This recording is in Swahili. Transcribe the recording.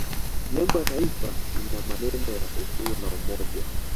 nembo ya taifa ina maneno ya uhuru na umoja